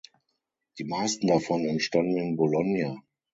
Die meisten davon entstanden in Bologna.